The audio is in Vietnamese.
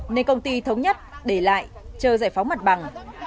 nên công ty thống nhất để lại chờ giải phóng mặt bằng